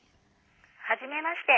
☎はじめまして。